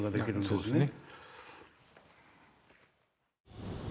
そうですね。